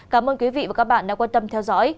cảm ơn quý vị và các bạn đã quan tâm theo dõi